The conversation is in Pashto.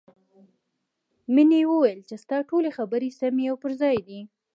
مینې وویل چې ستا ټولې خبرې سمې او پر ځای دي